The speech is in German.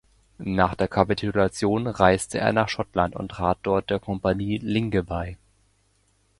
Nach der Kapitulation reiste er nach Schottland und trat dort der Kompanie Linge bei.